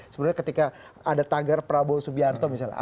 sebenarnya ketika ada tagar prabowo subianto misalnya